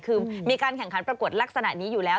คือมีการแข่งขันประกวดลักษณะนี้อยู่แล้ว